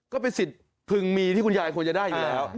ก็เป็นสิทธิ์พึงมีที่คุณยายควรจะได้อยู่แล้ว